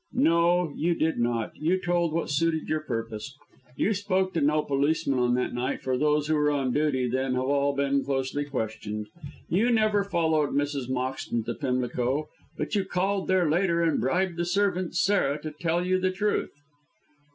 "No, you did not. You told what suited your purpose. You spoke to no policeman on that night, for those who were on duty then have all been closely questioned. You never followed Mrs. Moxton to Pimlico, but you called there later and bribed the servant, Sarah, to tell you the truth."